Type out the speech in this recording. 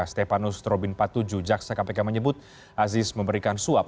stepanus robin empat puluh tujuh jaksa kpk menyebut aziz memberikan suap